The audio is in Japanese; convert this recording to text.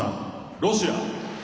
ロシア。